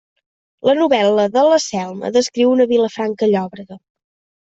La novel·la de la Selma descriu una Vilafranca llòbrega.